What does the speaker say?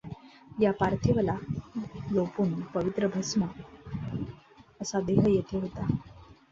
सर्व पार्थिवता लोपून पवित्र भस्ममय असा देह तेथे होता.